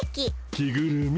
着ぐるみ。